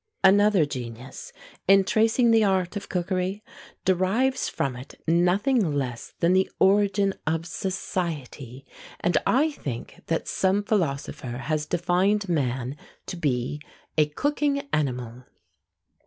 Another genius, in tracing the art of cookery, derives from it nothing less than the origin of society; and I think that some philosopher has defined man to be "a cooking animal."